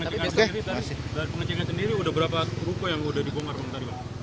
pengecekan sendiri berapa ruko yang sudah dibongkar